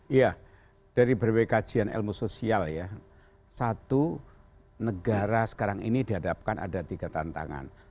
iya dari berbagai kajian ilmu sosial ya satu negara sekarang ini dihadapkan ada tiga tantangan